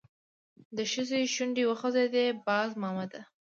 د ښځې شونډې وخوځېدې: باز مامده!